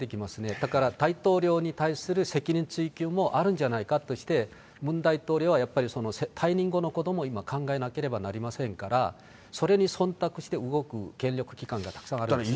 だから大統領に対する責任追及もあるんじゃないかとして、ムン大統領はやっぱり退任後のことも今、考えてなければなりませんから、それにそんたくして動く権力機関がたくさんあるわけですね。